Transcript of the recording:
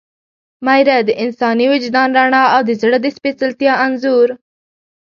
میره – د انساني وجدان رڼا او د زړه د سپېڅلتیا انځور